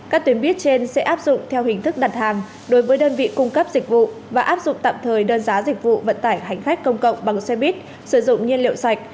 các tuyến buýt trên sẽ áp dụng theo hình thức đặt hàng đối với đơn vị cung cấp dịch vụ và áp dụng tạm thời đơn giá dịch vụ vận tải hành khách công cộng bằng xe buýt sử dụng nhiên liệu sạch